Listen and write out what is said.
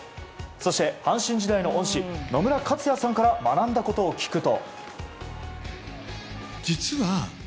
そして、阪神時代の恩師野村克也さんから学んだことを聞くと。